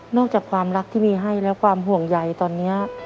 จากความรักที่มีให้แล้วความห่วงใยตอนนี้